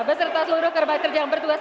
beserta seluruh kerba kerja yang bertugas